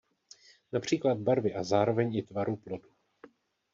Například barvy a zároveň i tvaru plodu.